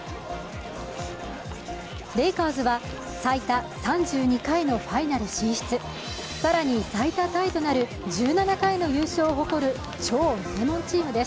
レイカーズは最多３２回のファイナル進出、更に最多タイとなる１７回の優勝を誇る超名門チームです。